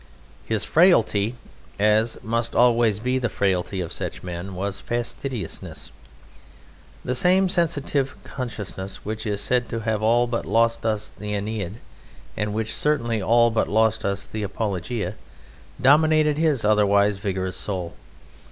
His frailty, as must always be the frailty of such men, was fastidiousness. The same sensitive consciousness which is said to have all but lost us the Aeneid, and which certainly all but lost us the Apologia, dominated his otherwise vigorous soul.